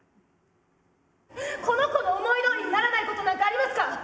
この子の思いどおりにならないことなんかありますか？